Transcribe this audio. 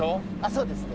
そうですね。